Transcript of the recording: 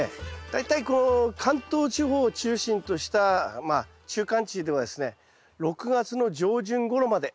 大体この関東地方を中心としたまあ中間地ではですね６月の上旬ごろまで。